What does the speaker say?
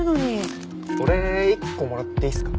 俺１個もらっていいっすか？